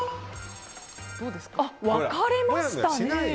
分かれましたね。